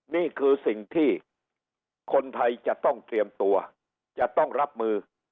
นี่คือสิ่งที่คนไทยจะต้องเตรียมตัวจะต้องรับมือ